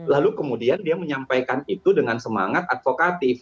lalu kemudian dia menyampaikan itu dengan semangat advokatif